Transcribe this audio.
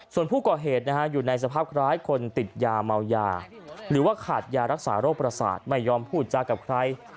ส่วนผู้ก่อเหตุอยู่ในสภาพคล้ายคนติดยาเมายาหรือว่าขาดยารักษาโรคประสาทไม่ยอมพูดจากับใคร